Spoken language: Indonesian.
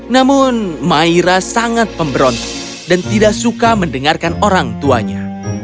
namun maira sangat pemberontak dan tidak suka mendengarkan orang tuanya